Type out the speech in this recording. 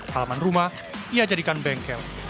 halaman rumah ia jadikan bengkel